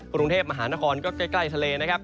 กรุงเทพมหานครก็ใกล้ทะเลนะครับ